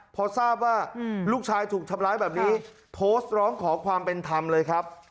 พอทราบว่าลูกชายถูกทำร้ายแบบนี้โพสต์ร้องขอความเป็นธรรมเลยครับ